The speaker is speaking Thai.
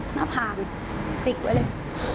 หน้าผากจิกไว้เลย